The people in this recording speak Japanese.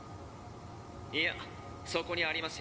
「いやそこにありますよ」。